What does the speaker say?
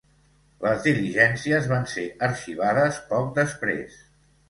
Les diligències van ser arxivades poc després.